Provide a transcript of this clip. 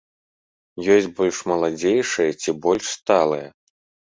Ёсць больш маладзейшыя ці больш сталыя.